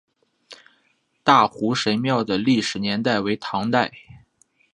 大湖神庙的历史年代为唐代。